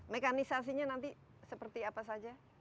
mekanisasinya nanti seperti apa saja